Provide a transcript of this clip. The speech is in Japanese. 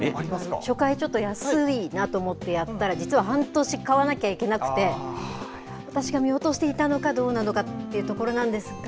初回ちょっと安いなと思ってやったら、実は半年買わなきゃいけなくて、私が見落としてていたのかどうなのかというところなんですが。